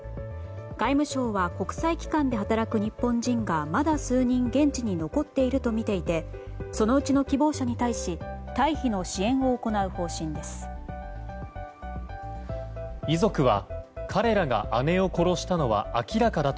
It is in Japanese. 外務省は、国際機関で働く日本人がまだ数人現地に残っているとみていてそのうちの希望者に対して退避の支援を行う方針です。